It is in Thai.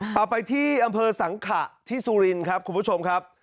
เอาไปที่อำเภอสังขะที่สุรินครับคุณผู้ชมครับ